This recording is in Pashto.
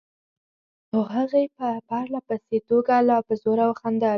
خو هغې په پرله پسې توګه لا په زوره خندل.